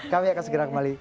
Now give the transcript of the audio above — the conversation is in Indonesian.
kami akan segera kembali